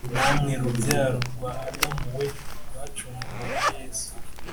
namwe rubyaro rwa adamu mwe, bacunguwe nayesu